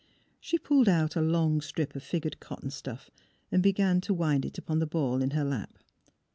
She pulled out a long strip of figured cot ton stuif and began to wind it upon the ball in her lap.